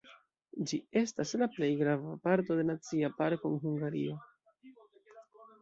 Ĝi estas la plej grava parto de nacia parko en Hungario.